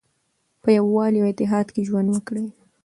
په یووالي او اتحاد کې ژوند وکړئ.